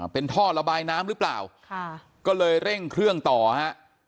เป็นท่อระบายน้ำหรือเปล่าค่ะก็เลยเร่งเครื่องต่อฮะ